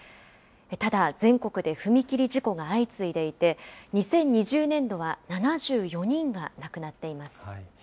ただ、全国で踏切事故が相次いでいて、２０２０年度は７４人が亡くなっています。